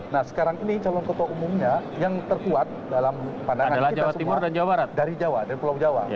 nah sekarang ini calon ketua umumnya yang terkuat dalam pandangan kita semua dari jawa dan pulau jawa